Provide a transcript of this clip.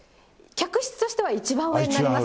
客室としては一番上になります。